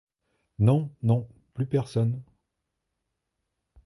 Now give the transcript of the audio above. Non, non, plus personne!